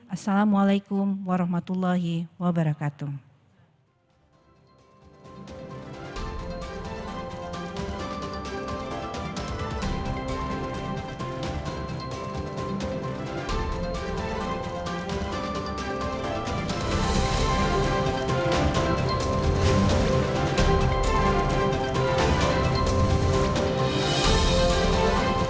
assalamualaikum warahmatullahi wabarakatuh